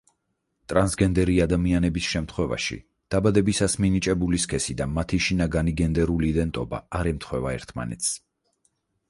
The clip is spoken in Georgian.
ტრანსგენდერი ადამიანების შემთხვევაში, დაბადებისას მინიჭებული სქესი და მათი შინაგანი გენდერული იდენტობა არ ემთხვევა ერთმანეთს.